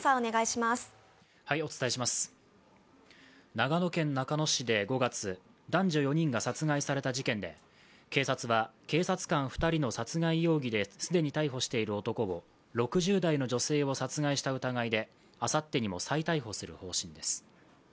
長野県中野市で５月、男女４人が殺害された事件で警察は警察官２人の殺害容疑で既に逮捕している男を６０代の女性を殺害した疑いであさってにも再逮捕する方針です。